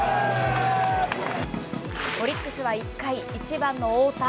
オリックスは１回、１番の太田。